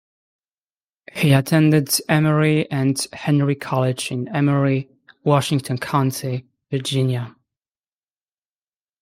He attended Emory and Henry College in Emory, Washington County, Virginia.